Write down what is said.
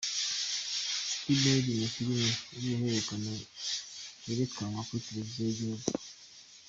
City Maid ni filime y’uruhererekane yerekanwa kuri Tereviziyo y’igihugu.